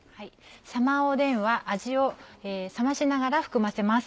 サマーおでんは味を冷ましながら含ませます。